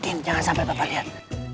tenang jangan berisik